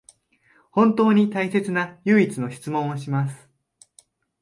本当に大切な唯一の質問をします